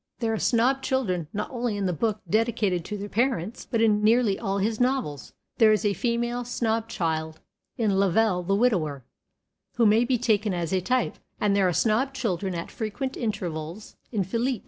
There are snob children not only in the book dedicated to their parents, but in nearly all his novels. There is a female snob child in "Lovel the Widower," who may be taken as a type, and there are snob children at frequent intervals in "Philip."